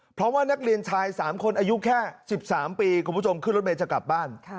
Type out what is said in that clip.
เพราะว่านักเรียนชาย๓คนอายุแค่๑๓ปีคุณผู้ชมขึ้นรถเมย์จะกลับบ้าน